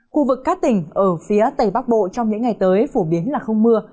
khu vực các tỉnh ở phía tây bắc bộ trong những ngày tới phổ biến là không mưa